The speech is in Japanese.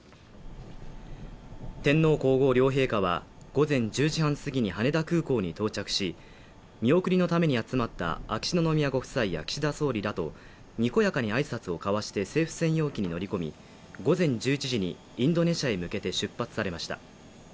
天皇皇后両陛下は午前１０時半すぎに羽田空港に到着し、見送りのために集まった秋篠宮ご夫妻や岸田総理らとにこやかに挨拶を交わして政府専用機に乗り込み、午前１１時にインドネシアに向けて出発されました。